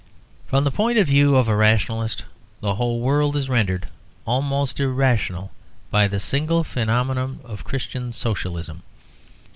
From the point of view of a rationalist, the whole world is rendered almost irrational by the single phenomenon of Christian Socialism.